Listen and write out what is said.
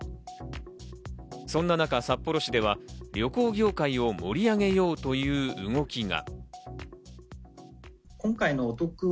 そんな中、札幌市では旅行業界を盛り上げようという動きが。